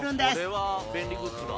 これは便利グッズだ。